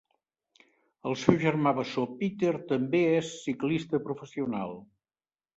El seu germà bessó Peter també és ciclista professional.